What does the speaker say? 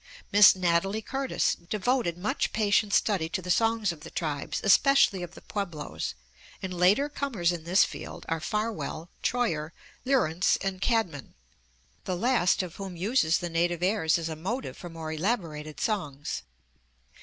Miss Natalie Curtis devoted much patient study to the songs of the tribes, especially of the Pueblos, and later comers in this field are Farwell, Troyer, Lieurance, and Cadman, the last of whom uses the native airs as a motive for more elaborated songs.